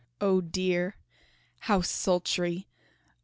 Oh dear! how sultry!